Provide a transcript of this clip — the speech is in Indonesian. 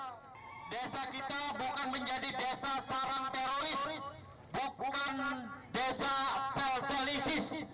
karena desa kita bukan menjadi desa sarang teroris bukan desa sel selisis